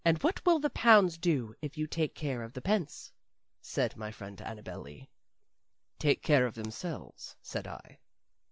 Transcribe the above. "What will the pounds do if you take care of the pence?" said my friend Annabel Lee. "Take care of themselves," said I.